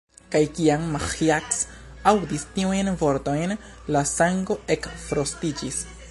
Kaj, kiam Maĥiac aŭdis tiujn vortojn, la sango ekfrostiĝis.